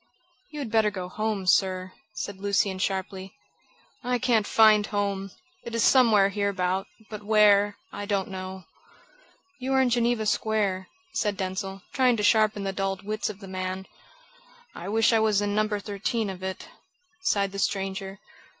"You had better go home, sir," said Lucian sharply. "I can't find home. It is somewhere hereabout, but where, I don't know." "You are in Geneva Square," said Denzil, trying to sharpen the dulled wits of the man. "I wish I was in No. 13 of it," sighed the stranger.